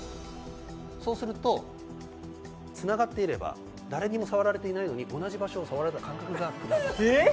そうすると、つながっていれば誰にも触られていないのに同じ場所を触られた感覚が。